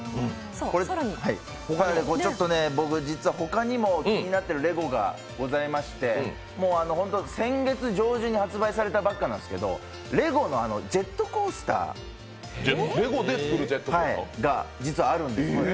ちょっと僕、他にも気になっているレゴがありまして先月上旬に発売されたばかりなんですけど、レゴのジェットコースターが実はあるんです。